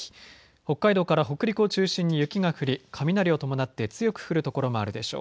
北海道から北陸を中心に雪がが降り雷を伴って強く降る所もあるでしょう。